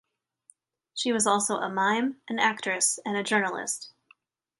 She was also a mime, an actress and a journalist.